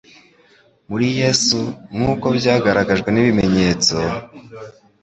Muri Yesu, nk'uko byagaragajwe n'ibimenyetso,